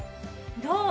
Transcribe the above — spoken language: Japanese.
どう？